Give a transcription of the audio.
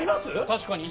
確かに。